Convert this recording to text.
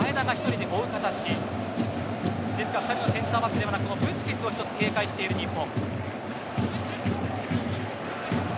ですからセンターバックではなくブスケツを一つ警戒している日本。